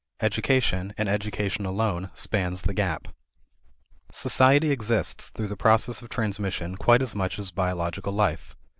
Education, and education alone, spans the gap. Society exists through a process of transmission quite as much as biological life.